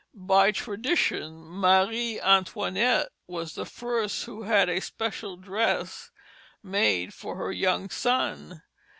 By tradition Marie Antoinette was the first who had a special dress made for her young son.